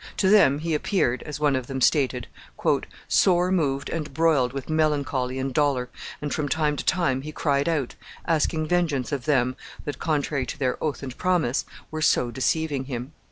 To them he appeared, as one of them stated, "sore moved and broiled with melancholy and dolor, and from time to time he cried out, asking vengeance of them that, contrary to their oath and promise, were so deceiving him."